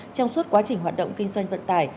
trong suốt quá trình hoạt động kinh doanh vận tải